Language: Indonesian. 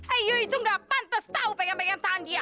eh yoi itu gak pantes tahu pegang pegang tante ya